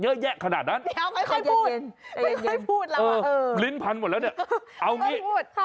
เดี๋ยวค่อยพูดแล้วเออลิ้นพันหมดแล้วเนี่ยเอานี้ค่ะ